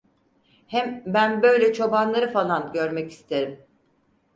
Hem ben böyle çobanları falan görmek isterim.